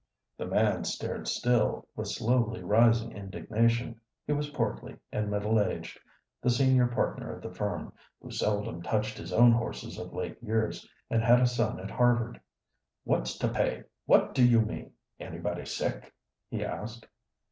The man stared still, with slowly rising indignation. He was portly and middle aged, the senior partner of the firm, who seldom touched his own horses of late years, and had a son at Harvard. "What's to pay? What do you mean? Anybody sick?" he asked.